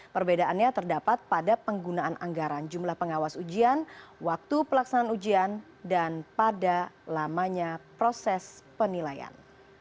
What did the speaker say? perbedaannya terdapat pada penggunaan anggaran jumlah pengawas ujian waktu pelaksanaan ujian dan pada lamanya proses penilaian